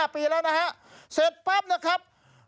๕ปีแล้วนะฮะเสร็จปั๊บนะครับ